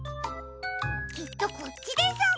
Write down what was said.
きっとこっちです。